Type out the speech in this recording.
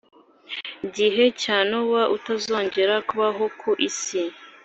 gihe cya Nowa utazongera kubaho ku isi